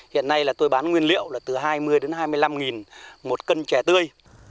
hiện nay tôi bán nguyên liệu là từ hai mươi đến hai mươi năm nghìn một cân trẻ tươi